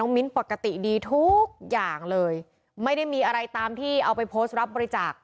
มิ้นปกติดีทุกอย่างเลยไม่ได้มีอะไรตามที่เอาไปโพสต์รับบริจาค